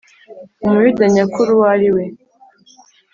Umuyuda nyakuri uwo ari we